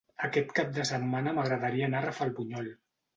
Aquest cap de setmana m'agradaria anar a Rafelbunyol.